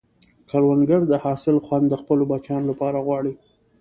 کروندګر د حاصل خوند د خپلو بچیانو لپاره غواړي